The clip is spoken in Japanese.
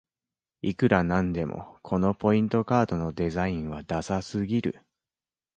いくらなんでもこのポイントカードのデザインはダサすぎる